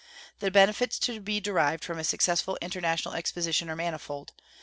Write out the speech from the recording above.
The benefits to be derived from a successful international exposition are manifold.